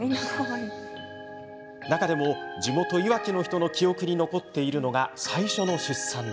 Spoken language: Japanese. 中でも、地元いわきの人の記憶に残っているのが最初の出産。